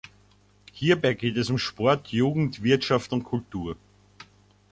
Hierbei geht es um Sport, Jugend, Wirtschaft und Kultur.